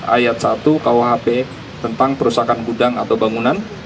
ayat satu kuhp tentang perusahaan gudang atau bangunan